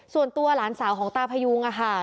ส่วนตัวหลานสาวของตาพยุงค่ะ